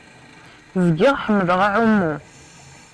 Zgiɣ ḥemmleɣ aɛummu.